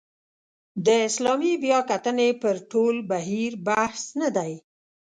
د اسلامي بیاکتنې پر ټول بهیر بحث نه دی.